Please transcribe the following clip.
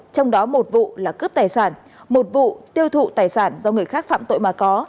trong đó một vụ là cướp tài sản một vụ tiêu thụ tài sản do người khác phạm tội mà có